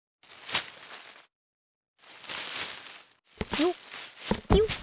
よっよっ。